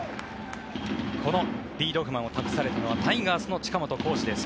このリードオフマンを託されたのはタイガースの近本光司です。